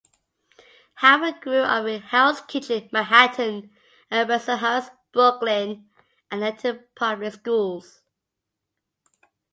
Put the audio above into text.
Howard grew up in Hell's Kitchen, Manhattan and Bensonhurst, Brooklyn, and attended public schools.